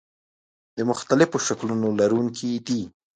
د مختلفو شکلونو لرونکي دي.